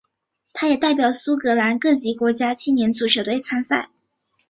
他也代表苏格兰各级国家青年足球队参赛。